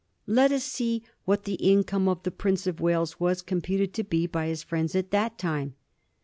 Let us see what the in come of the Prince of Wales was computed to be by his friends at that time.